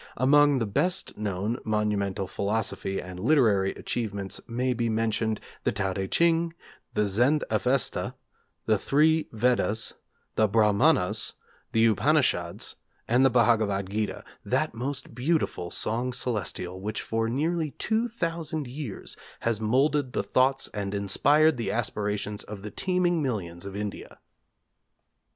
Among the best known monumental philosophical and literary achievements maybe mentioned the Tao Teh C'hing; the Zend Avesta; the Three Vedas; the Brahmanas; the Upanishads; and the Bhagavad gita, that most beautiful 'Song Celestial' which for nearly two thousand years has moulded the thoughts and inspired the aspirations of the teeming millions of India.